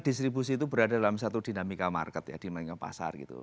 distribusi itu berada dalam satu dinamika market ya dinamika pasar gitu